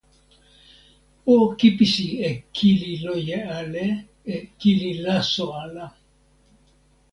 o kipisi e kili loje ale e kili laso ala.